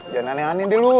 dia aneh aneh deh lo